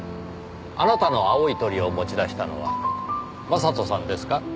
あなたの青い鳥を持ち出したのは将人さんですか？